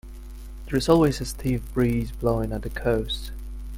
There's always a stiff breeze blowing at the coast.